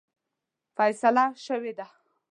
فیصله شوې ده.